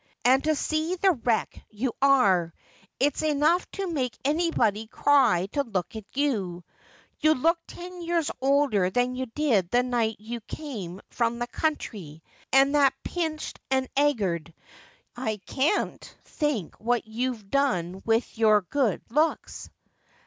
And to see the wreck you are. It's enough to make anybody cry to look at you. You look ten years older than you did the night you came from the country ; and that pinched and 'aggard — I can't think what you've done with your good looks.'